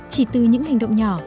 chỉ từ những hành động nhỏ